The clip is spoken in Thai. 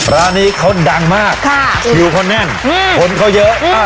ร้านนี้คนดังมากค่ะคิวคนแน่นอืมคนเขาเยอะอืม